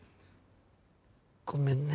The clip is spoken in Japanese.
ごめんね。